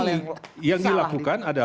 saat ini yang dilakukan adalah